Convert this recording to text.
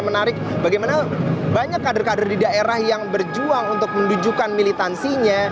menarik bagaimana banyak kader kader di daerah yang berjuang untuk menunjukkan militansinya